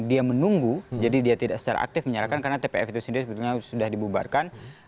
dia menunggu jadi dia tidak secara aktif menyalahkan karena tpf itu sendiri sebetulnya sudah dibubarkan